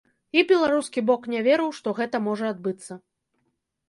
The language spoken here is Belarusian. І беларускі бок не верыў, што гэта можа адбыцца.